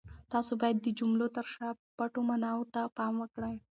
تاسو باید د جملو تر شا پټو ماناوو ته پام وکړئ.